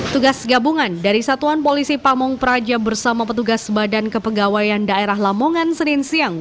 tugas gabungan dari satuan polisi pamung praja bersama petugas badan kepegawaian daerah lamongan senin siang